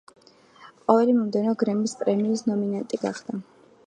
ყოველი მომდევნო გრემის პრემიის ნომინანტი გახდა.